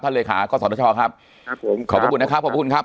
ท่านเลขากศชครับครับผมขอบคุณนะครับขอบคุณครับ